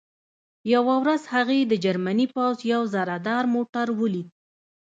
یوه ورځ هغې د جرمني پوځ یو زرهدار موټر ولید